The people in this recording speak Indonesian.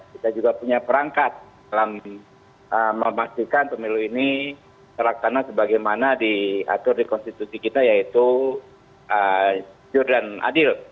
kita juga punya perangkat dalam memastikan pemilu ini terlaksana sebagaimana diatur di konstitusi kita yaitu jujur dan adil